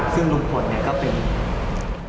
ซึ่งลุงพลเนี่ยก็เป็น